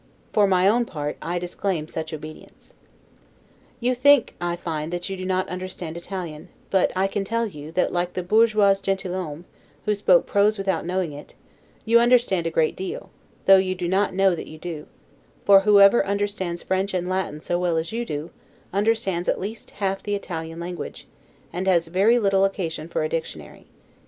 For my own part, I disclaim such obedience. You think, I find, that you do not understand Italian; but I can tell you, that, like the 'Bourgeois Gentilhomme', who spoke prose without knowing it, you understand a great deal, though you do not know that you do; for whoever understands French and Latin so well as you do, understands at least half the Italian language, and has very little occasion for a dictionary.